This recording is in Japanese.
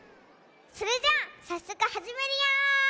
それじゃあさっそくはじめるよ！